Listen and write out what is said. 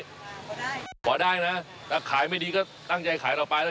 ขอได้ขอได้นะถ้าขายไม่ดีก็ตั้งใจขายต่อไปนะ